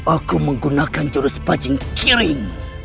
aku menggunakan jurus bajing kirim